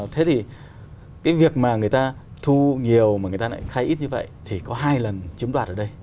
thế thì cái việc mà người ta thu nhiều mà người ta lại khai ít như vậy thì có hai lần chiếm đoạt ở đây